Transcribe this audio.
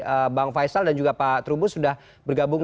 terima kasih bang faisal dan juga pak trubus sudah bergabung